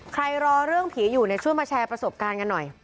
รอเรื่องผีอยู่ช่วยมาแชร์ประสบการณ์กันหน่อย